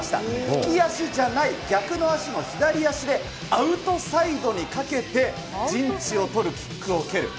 利き足じゃない、逆の足の左足で、アウトサイドにかけて、陣地を取るキックを蹴る。